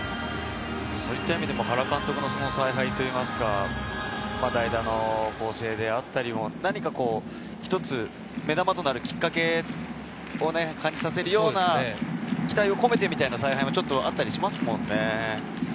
そういった意味でも原監督の采配といいますか、代打の構成であったり何か一つ、目玉となるきっかけをね、感じさせるような期待を込めてみたいな采配があったりしますよね。